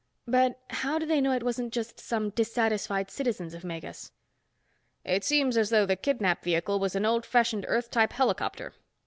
"But how do they know it wasn't just some dissatisfied citizens of Megas?" "It seems as though the kidnap vehicle was an old fashioned Earth type helicopter.